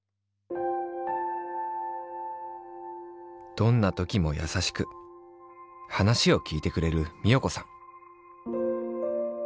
どんなときもやさしくはなしをきいてくれる美代子さん。